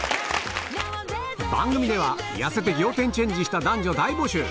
番組では痩せて仰天チェンジした男女大募集